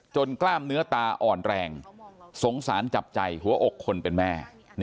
กล้ามเนื้อตาอ่อนแรงสงสารจับใจหัวอกคนเป็นแม่